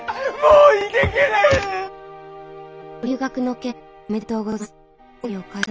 「ご留学の件おめでとうございます。